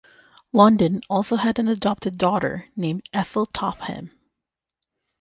London also had an adopted daughter named Ethel Topham.